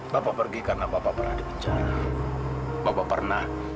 bapak pergi karena bapak pernah di penjara